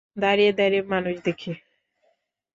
দাঁড়িয়ে দাঁড়িয়ে মানুষ দেখি।